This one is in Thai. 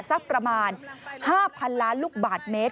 สักประมาณ๕๐๐๐ล้านลูกบาทเมตร